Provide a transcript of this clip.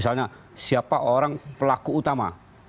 misalnya siapa orang pelaku utama